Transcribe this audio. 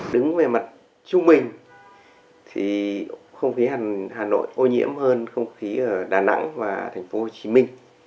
đứng về mặt trung bình thì không khí hà nội ô nhiễm hơn không khí ở đà nẵng và thành phố hồ chí minh